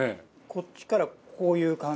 こっちからこういう感じで。